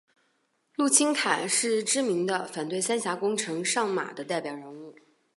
陆钦侃是知名的反对三峡工程上马的代表人物。